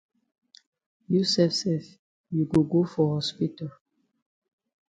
You sef sef you go go for hospital.